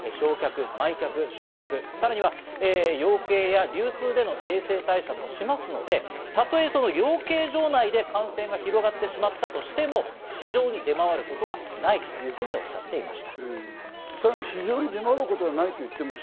日本の場合は補償がありますので、殺処分、焼却、埋却、消毒、さらに養鶏や流通での衛生対策をしますので、たとえ養鶏場内で感染が広がってしまったとしても、市場に出回ることはないというふうにおっしゃっていました。